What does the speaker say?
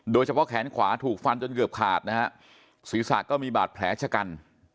แขนขวาถูกฟันจนเกือบขาดนะฮะศีรษะก็มีบาดแผลชะกัน